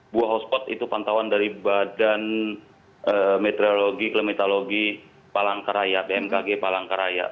satu ratus enam puluh enam buah hotspot itu pantauan dari badan meteorologi klementologi palangkaraya bmkg palangkaraya